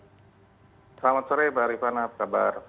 selamat sore pak arifana apa kabar